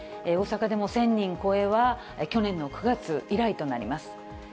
大阪でも１０００人超えは去年の９月以来となります。